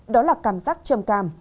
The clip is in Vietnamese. đó là cảm giác chầm càm